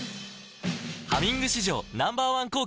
「ハミング」史上Ｎｏ．１抗菌